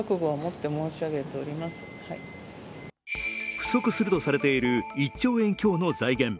不足するとされている１兆円強の財源。